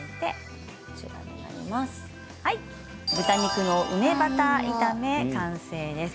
豚肉の梅バター炒め完成です。